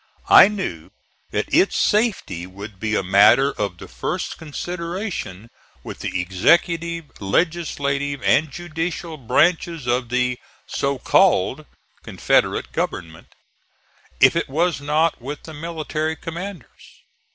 I knew that its safety would be a matter of the first consideration with the executive, legislative and judicial branches of the so called Confederate government, if it was not with the military commanders.